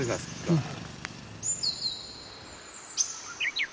うん。